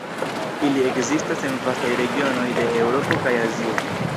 Ili ekzistas en vastaj regionoj de Eŭropo kaj Azio.